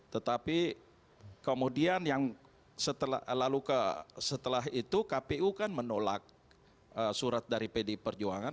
tetapi kemudian yang setelah itu kpu kan menolak surat dari pd perjuangan